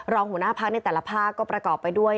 รองหัวหน้าพักในแต่ละภาคก็ประกอบไปด้วย